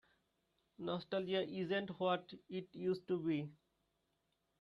Nostalgia isn't what it used to be.